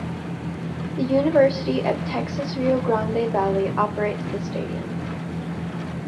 The University of Texas Rio Grande Valley operates the stadium.